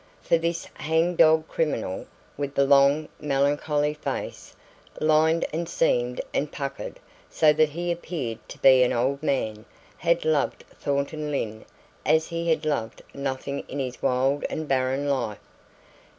For this hang dog criminal, with the long, melancholy face, lined and seamed and puckered so that he appeared to be an old man, had loved Thornton Lyne as he had loved nothing in his wild and barren life.